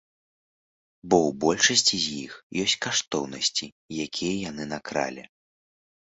Бо ў большасці з іх ёсць каштоўнасці, якія яны накралі.